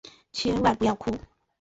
千万不要哭！